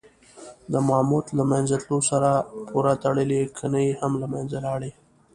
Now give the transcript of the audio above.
د ماموت له منځه تلو سره پورې تړلي کنې هم له منځه لاړې.